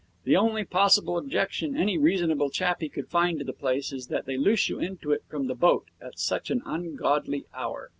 The only possible objection any reasonable chappie could find to the place is that they loose you into it from the boat at such an ungodly hour.